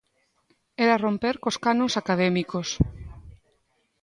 Era romper cos canons académicos.